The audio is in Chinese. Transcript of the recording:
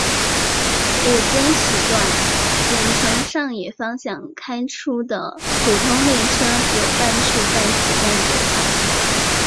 午间时段京成上野方向开出的普通列车有半数在此站折返。